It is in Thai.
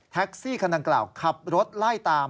แท็กซี่คันดังกล่าวขับรถไล่ตาม